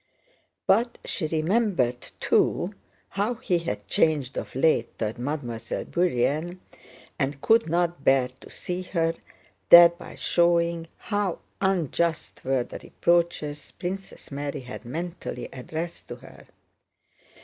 But she remembered too how he had changed of late toward Mademoiselle Bourienne and could not bear to see her, thereby showing how unjust were the reproaches Princess Mary had mentally addressed to her.